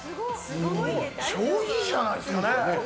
超いいじゃないですかね。